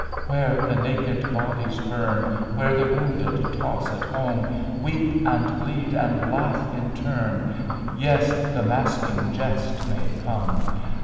Where the naked bodies burn, Where the wounded toss at home. Weep and bleed and laugh in turn, Yes, the masking jest may come.